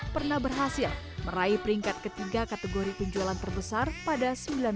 pernah berhasil meraih peringkat ketiga kategori penjualan terbesar pada seribu sembilan ratus sembilan puluh